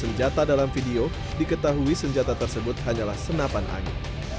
senjata dalam video diketahui senjata tersebut hanyalah senapan angin